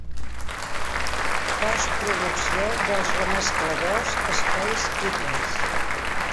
Postproducció dels remescladors "Space Kittens".